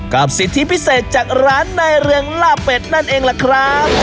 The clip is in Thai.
สิทธิพิเศษจากร้านในเรืองล่าเป็ดนั่นเองล่ะครับ